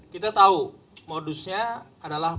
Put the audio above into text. kita tahu modusnya adalah